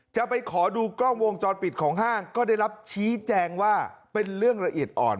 จะไปขอดูกล้องวงจรปิดของห้างก็ได้รับชี้แจงว่าเป็นเรื่องละเอียดอ่อน